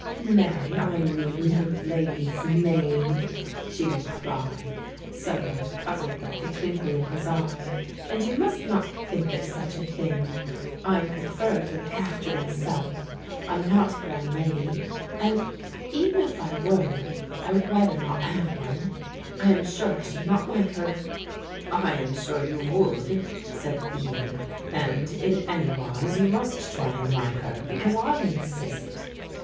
"Marry, I need no lady's maid," she replied, somewhat puzzled at the twinkle in his eye, "and you must not think of such a thing. I prefer to look after myself. I am not a grand lady and, even if I were, I would rather not have one. I am sure I should not like her." "I am sure you would," said Ian, "and in any wise you must try and like her, because I insist."